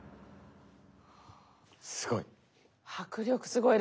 すごい。